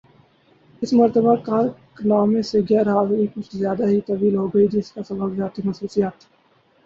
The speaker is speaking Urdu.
اس مرتبہ کرک نامہ سے غیر حاضری کچھ زیادہ ہی طویل ہوگئی ہے جس کا سبب ذاتی مصروفیت تھی